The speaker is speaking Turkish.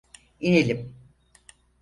İnelim.